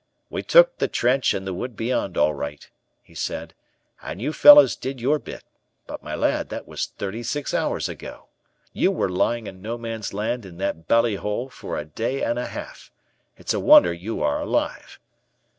"We took the trench and the wood beyond, all right," he said, "and you fellows did your bit; but, my lad, that was thirty six hours ago. You were lying in No Man's Land in that bally hole for a day and a half. It's a wonder you are alive."